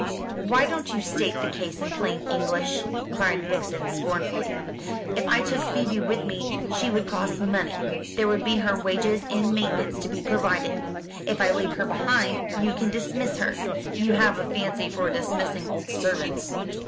"Why don't you state the case in plain English?" cried Vixen scornfully. "If I took Phoebe with me she would cost money. There would be her wages and maintenance to be provided. If I leave her behind, you can dismiss her. You have a fancy for dismissing old servants."